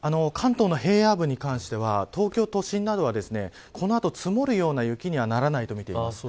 関東の平野部に関しては東京都心などは、この後積もるような雪にはならないと見ています。